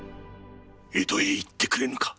江戸へ行ってくれぬか。